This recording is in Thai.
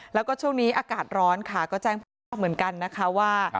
แล้วก็ช่วงนี้อากาศร้อนค่ะก็แจ้งผู้ว่าเหมือนกันนะคะว่า